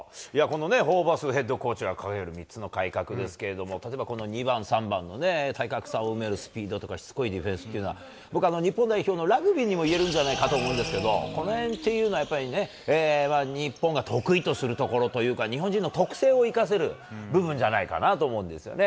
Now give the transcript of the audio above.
ホーバスヘッドコーチが掲げる３つの改革ですが２番、３番の体格差を埋めるスピードとかしつこいディフェンスとかは日本代表のラグビーにも言えるんじゃないかと思うんですけどこの辺というのは日本が得意とするところというか日本人の特性を生かせる部分じゃないかなと思うんですよね。